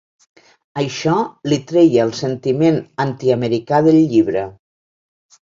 Això li treia el sentiment antiamericà del llibre.